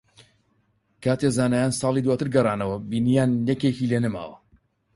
کاتێک زانایان ساڵی داواتر گەڕانەوە، بینییان یەکێکی لێ نەماوە